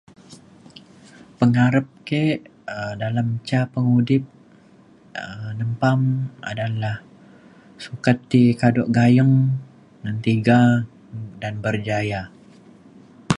pengarep ke um dalem ca pengudip um nempam um sukat ti kado gayeng ngan tiga dan berjaya.